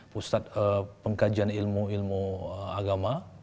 pusat pengkajian ilmu ilmu agama